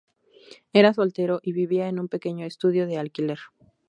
Era soltero y vivía en un pequeño estudio de alquiler.